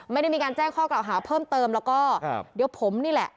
ไม่ได้มีการแจ้งข้อกล่าวหาเพิ่มเติมแล้วก็ครับเดี๋ยวผมนี่แหละ